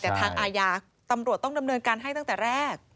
แต่ทางอาญาตำรวจต้องดำเนินการให้ตั้งแต่แรก